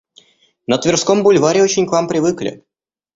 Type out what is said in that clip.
На Тверском бульваре очень к вам привыкли.